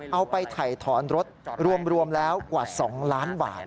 เอาไปถ่ายถอนรถรวมแล้วกว่า๒ล้านบาท